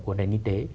của đền y tế